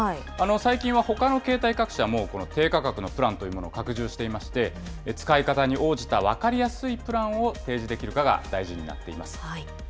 最近はほかの携帯各社も、低価格のプランというものを拡充していまして、使い方に応じた分かりやすいプランを提示できるかが大事になっています。